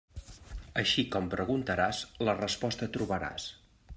Així com preguntaràs, la resposta trobaràs.